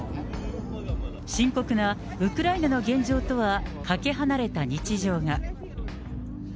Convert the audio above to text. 深刻なウクライナの現状とはかけ離れた日常が。